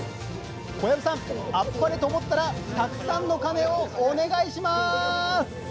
小籔さん、あっぱれと思ったら、たくさんの鐘をお願いします。